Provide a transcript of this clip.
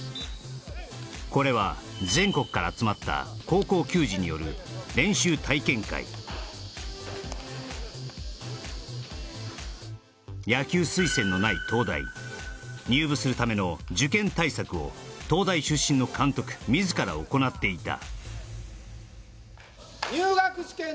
これは全国から集まった高校球児による野球推薦のない東大入部するための受験対策を東大出身の監督自ら行っていた